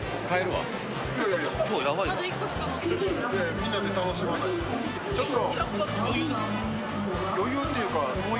みんなで楽しまないと。